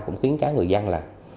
cũng khiến các người dân là